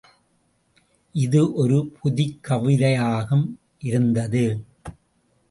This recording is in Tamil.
இது ஒரு புதுக்கவிதையாகவும் இருந்தது.